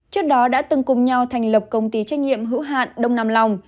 trước đó đã từng cùng nhau thành lập công ty trách nhiệm hữu hạn đông nam lòng